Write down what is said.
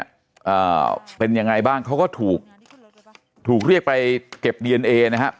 อ่าเป็นยังไงบ้างเขาก็ถูกถูกเรียกไปเก็บดีเอนเอนะครับ